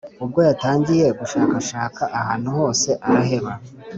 ubwo yatangiye gushakashaka ahantu hose araheba.